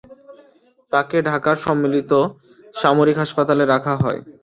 তাকে ঢাকার সম্মিলিত সামরিক হাসপাতালে রাখা হয়।